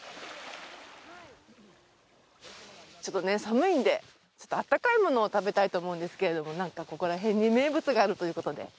ちょっと寒いんで、あったかいものを食べたいと思うんですけれどもここら辺に名物があるということで。